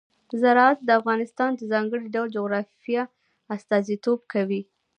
زراعت د افغانستان د ځانګړي ډول جغرافیه استازیتوب کوي.